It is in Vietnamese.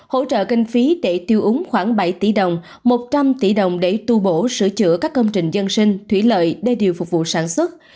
hỗ trợ kinh phí để tiêu úng khoảng bảy tỷ đồng một trăm linh tỷ đồng để tu bổ sửa chữa các công trình dân sinh thủy lợi đê điều phục vụ sản xuất